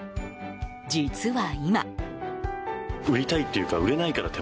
実は、今。